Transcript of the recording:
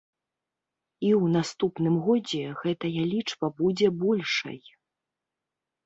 І ў наступным годзе гэтая лічба будзе большай.